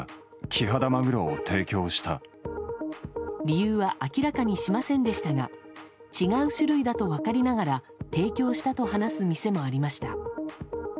理由は明らかにしませんでしたが違う種類だと分かりながら提供したと話す店もありました。